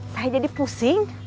saya jadi pusing